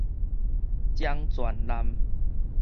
漳泉濫